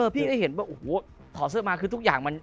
พี่ได้เห็นว่าโอ้โหถอดเสื้อมาคือทุกอย่างมัน